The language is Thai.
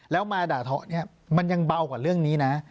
แล้วมาด่าท้อเนี่ยมันยังเบากว่าเรื่องนี้นะ